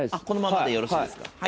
このままでよろしいですか。